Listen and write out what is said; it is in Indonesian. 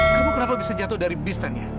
kamu kenapa bisa jatuh dari bus tania